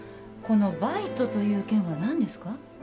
このバイトという券は何ですか？